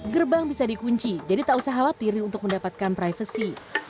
gerbang bisa dikunci jadi tak usah khawatirin untuk mendapatkan privasi